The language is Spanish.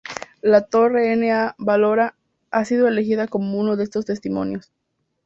La torre Na Valora ha sido elegida cómo uno de estos testimonios.